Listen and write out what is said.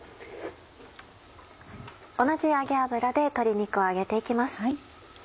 同じ揚げ油で鶏肉を揚げて行きます。